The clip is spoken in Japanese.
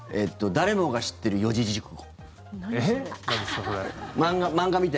「誰もが知ってる四字熟語」。